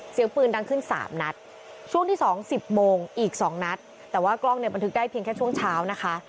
เสียงปืนดังขึ้น๓นัดช่วงที่๒๑๐โมงอีก๒นัดแต่ว่ากล้องบันทึกได้เพียงแค่ช่วงเช้านะคะ